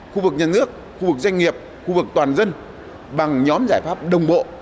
khu vực nhà nước khu vực doanh nghiệp khu vực toàn dân bằng nhóm giải pháp đồng bộ